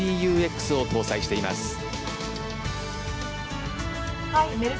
ＭＢＵＸを搭載しています。